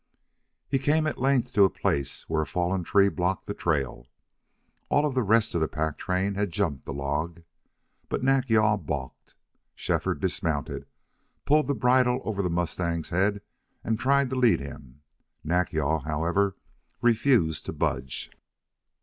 He came at length to a place where a fallen tree blocked the trail. All of the rest of the pack train had jumped the log. But Nack yal balked. Shefford dismounted, pulled the bridle over the mustang's head, and tried to lead him. Nack yal, however, refused to budge.